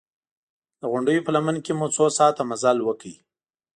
د غونډیو په لمن کې مو څو ساعته مزل وکړ.